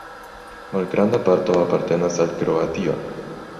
Malgranda parto apartenas al Kroatio.